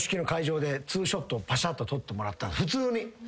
パシャッと撮ってもらった普通に。